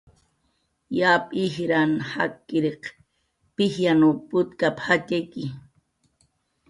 "Yap ijran jakkiriq pijyanw putkap"" jatxayki"